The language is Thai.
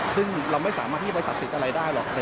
ซึ่งเราไม่สามารถที่ไปตัดสิทธิ์อะไรได้หรอก